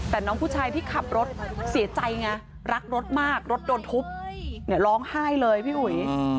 แต่น้องผู้ชายที่ขับรถเสียใจไงรักรถมากรถโดนทุบเนี่ยร้องไห้เลยพี่อุ๋ย